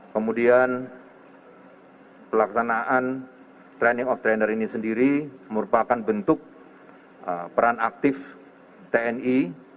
kemudian pelaksanaan training of trainer ini sendiri merupakan bentuk peran aktif tni